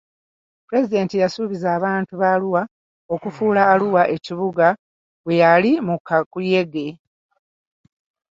Pulezidenti yasuubiza abantu ba Arua okufuula Arua ekibuga bwe yali mu kakuyege.